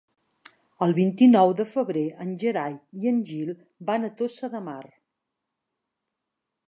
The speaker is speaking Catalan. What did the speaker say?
El vint-i-nou de febrer en Gerai i en Gil van a Tossa de Mar.